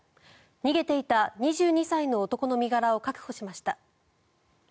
逃げていた２２歳の男の身柄を確保しました。